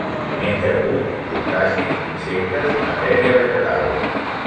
Menja cucs, crustacis, insectes i matèria vegetal.